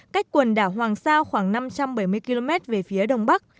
cách quần đảo hoàng sa khoảng năm trăm bảy mươi km về phía đông bắc